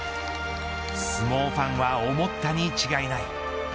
相撲ファンは思ったに違いない。